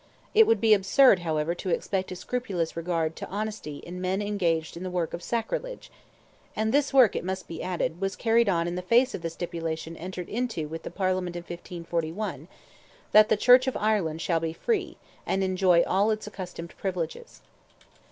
It would be absurd, however, to expect a scrupulous regard to honesty in men engaged in the work of sacrilege! And this work, it must be added, was carried on in the face of the stipulation entered into with the Parliament of 1541, that "the Church of Ireland shall be free, and enjoy all its accustomed privileges."